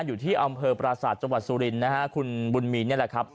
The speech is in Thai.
อยู่ที่อำเภอปราศาสตร์จังหวัดสุรินนะฮะคุณบุญมีนนี่แหละครับ